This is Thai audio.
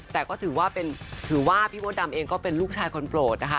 แต่ก็ถือว่าถือว่าพี่มดดำเองก็เป็นลูกชายคนโปรดนะคะ